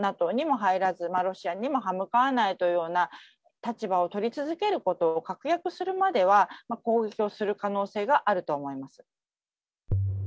ＮＡＴＯにも入らず、ロシアにも歯向かわないというような立場を取り続けることを確約するまでは、攻撃をする可能性があると思います。